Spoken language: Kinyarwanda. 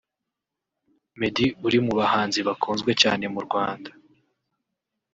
Meddy uri mu bahanzi bakunzwe cyane mu Rwanda